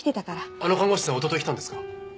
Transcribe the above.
あの看護師さんおととい来たんですか？